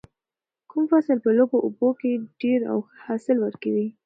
کوم فصل په لږو اوبو کې ډیر او ښه حاصل ورکوي؟